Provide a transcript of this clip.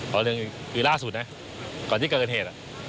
ก็เรียกคือล่าสุดนะก่อนที่เกิดเหตุ